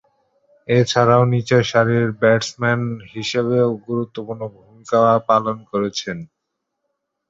এছাড়াও নিচের সারির ব্যাটসম্যান হিসেবেও গুরুত্বপূর্ণ ভূমিকা পালন করেছেন।